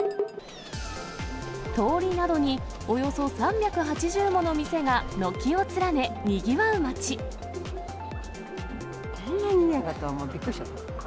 通りなどにおよそ３８０もの店が軒を連ね、こんなににぎやかだと思わなくて、びっくりしちゃった。